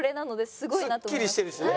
すっきりしてるしね。